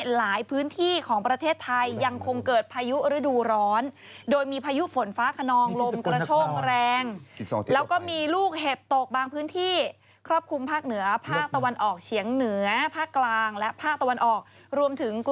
หลายพื้นที่ของประเทศไทยยังคงเกิดพายุฤดูร้อนโดยมีพายุฝนฟ้าขนองรมกระโชกแรง